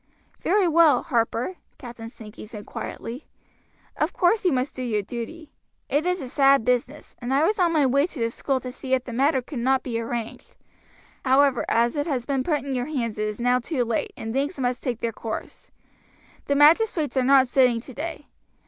"Very well, Harper," Captain Sankey said quietly; "of course you must do your duty. It is a sad business, and I was on my way to the school to see if the matter could not be arranged; however, as it has been put in your hands it is now too late, and things must take their course; the magistrates are not sitting today.